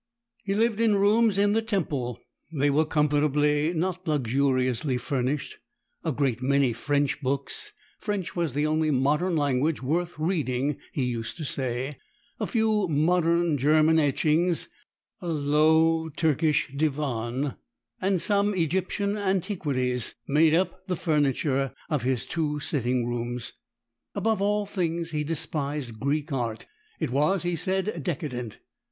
He lived in rooms in the Temple. They were comfortably, not luxuriously furnished; a great many French books French was the only modern language worth reading he used to say a few modern German etchings, a low Turkish divan, and some Egyptian antiquities, made up the furniture of his two sitting rooms. Above all things he despised Greek art; it was, he said decadent.